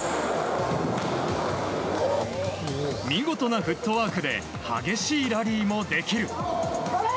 見事なフットワークで激しいラリーもできる。